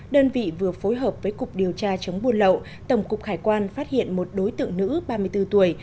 đơn vị vừa phối hợp với cục điều tra chống buôn lậu tổng cục hải quan phát hiện một đối tượng nữ ba mươi bốn tuổi